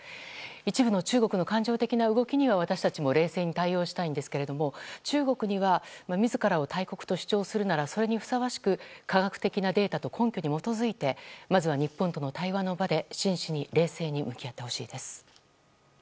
一部の中国の感情的な動きには冷静に対応したいんですが中国には自らを大国と主張するならそれにふさわしく科学的なデータと根拠に基づいてまず日本との対話の場で真摯に冷静に向き合ってほしいです。